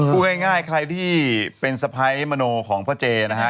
พูดง่ายใครที่เป็นสะพ้ายมโนของพ่อเจนะฮะ